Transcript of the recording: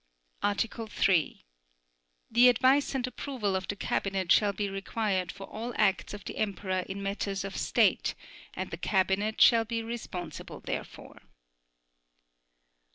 Article 3. The advice and approval of the Cabinet shall be required for all acts of the Emperor in matters of state, and the Cabinet shall be responsible therefor.